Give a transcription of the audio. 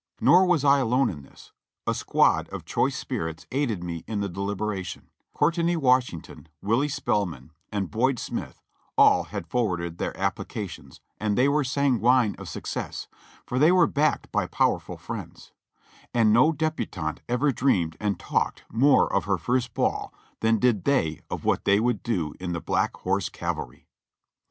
Nor was I alone in this ; a squad of choice spirits aided me in the deliberation; Courteny Washington, Willie Spellman and Boyd Smith all had forwarded their applications, and they were sanguine of success, for they were backed by powerful friends ; and no debutante every dreamed and talked more of her first ball than did they of what they would do in the "Black Horse Cav alry."